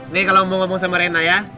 nih kalau mau ngomong sama reina ya